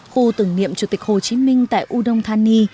khu tưởng niệm chủ tịch hồ chí minh tại u đông tha nhi